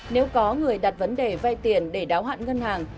nếu có người đặt vấn đề vay tiền để đáo hạn ngân hàng